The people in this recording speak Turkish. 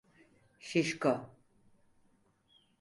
Şişko!